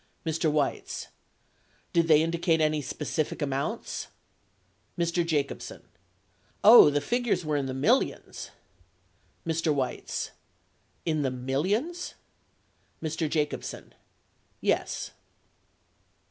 Mr. Weitz. Did they indicate any specific amounts ? Mr. Jacobsen. Oh, the figures were in the millions. Mr. Weitz. In the millions ? Mr. Jacobsen. Yes.